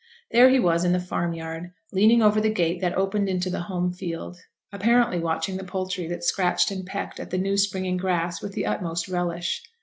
There he was in the farm yard, leaning over the gate that opened into the home field, apparently watching the poultry that scratched and pecked at the new springing grass with the utmost relish.